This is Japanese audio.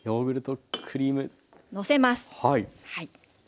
のせます。